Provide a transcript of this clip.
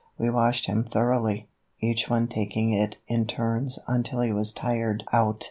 We washed him thoroughly, each one taking it in turns until he was tired out.